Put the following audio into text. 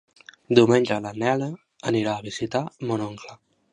Diumenge na Lena anirà a visitar mon oncle.